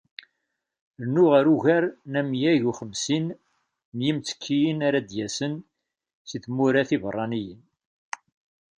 Rnu ɣer ugar n amyag u xemsin n yimttekkiyen ara d-yasen seg tmura tiberraniyin.